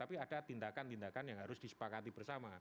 tapi ada tindakan tindakan yang harus disepakati bersama